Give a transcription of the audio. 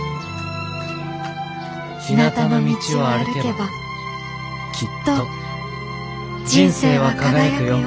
ひなたの道を歩けばきっと人生は輝くよ」。